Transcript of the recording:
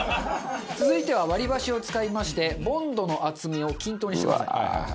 続いては割り箸を使いましてボンドの厚みを均等にしてください。